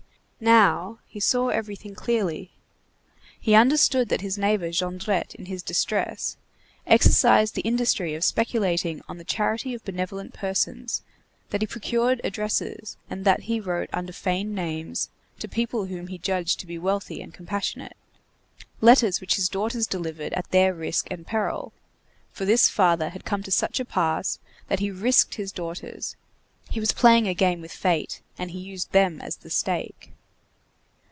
Now he saw everything clearly. He understood that his neighbor Jondrette, in his distress, exercised the industry of speculating on the charity of benevolent persons, that he procured addresses, and that he wrote under feigned names to people whom he judged to be wealthy and compassionate, letters which his daughters delivered at their risk and peril, for this father had come to such a pass, that he risked his daughters; he was playing a game with fate, and he used them as the stake.